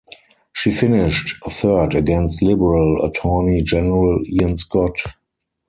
She finished third against Liberal Attorney-General Ian Scott.